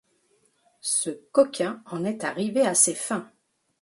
Ce coquin en est arrivé à ses fins.